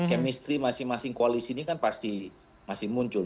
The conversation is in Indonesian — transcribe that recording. kemistri masing masing koalisi ini kan pasti masih muncul